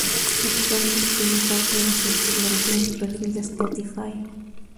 Actualmente tiene parte de su discografía en su perfil se Spotify.